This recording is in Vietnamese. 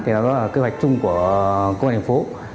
thì đó là kế hoạch chung của công an thành phố